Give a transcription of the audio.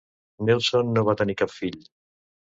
Nelson no va tenir cap fill.